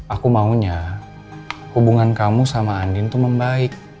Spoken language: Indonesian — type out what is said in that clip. aku maunya hubungan kamu sama andin itu membaik